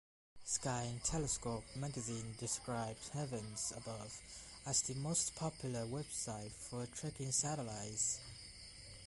"Sky and Telescope" magazine described Heavens-Above as "the most popular website for tracking satellites.